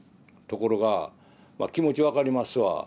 ところがまあ気持ち分かりますわ。